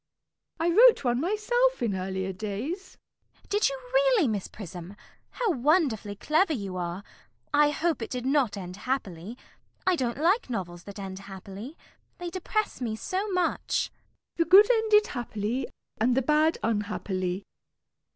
I wrote one myself in earlier days. CECILY. Did you really, Miss Prism? How wonderfully clever you are! I hope it did not end happily? I don't like novels that end happily. They depress me so much. MISS PRISM. The good ended happily, and the bad unhappily.